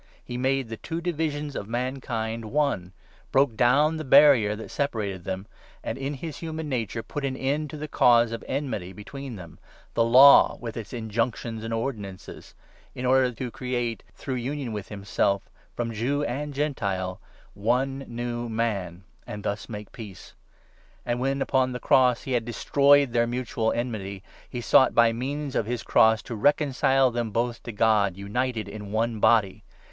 He made the two divisions of mankind one, broke down the barrier that separated them, and in his 15 human nature put an end to the cause of enmity between them — the Law with its injunctions and ordinances — in order to create, through union with himself, from Jew and Gentile, one New Man, and thus make peace. And when, upon the 16 cross, he had destroyed their mutual enmity, he sought by means of his cross to reconcile them both to God, united in one Body.